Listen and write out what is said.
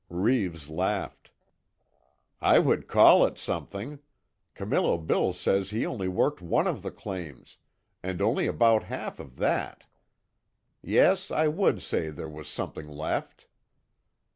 Reeves laughed: "I would call it something! Camillo Bill says he only worked one of the claims and only about half of that. Yes, I would say there was something left."